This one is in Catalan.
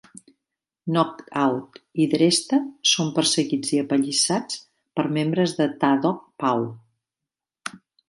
Knocc Out i Dresta són perseguits i apallissats per membres de Tha Dogg Pound.